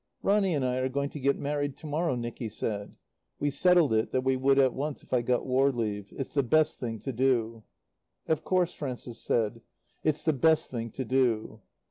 "Ronny and I are going to get married to morrow," Nicky said. "We settled it that we would at once, if I got war leave. It's the best thing to do." "Of course," Frances said, "it's the best thing to do."